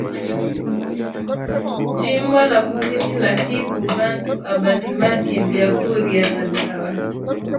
Jimbo la kusini ya kivu bantu abalimaki bya kurya na dawa